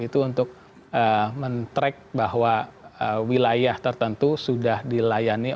itu untuk men track bahwa wilayah tertentu sudah dilayani